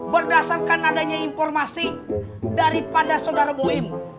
berdasarkan adanya informasi daripada saudara boem